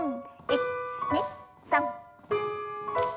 １２３。